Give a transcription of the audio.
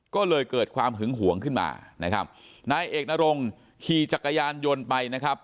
ก็เลยเกิดความหึงหวงขึ้นมานะครับนายเอกนรงขี่จักรยานยนต์ไปนะครับ